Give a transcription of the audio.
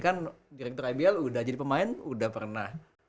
kan direktur ibl udah jadi pemain udah pernah